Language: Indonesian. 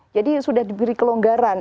jadi sudah diberi kelonggaran